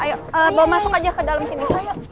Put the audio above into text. ayo bawa masuk aja ke dalam sini